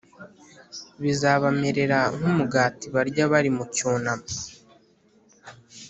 Bizabamerera nk’umugati barya bari mu cyunamo,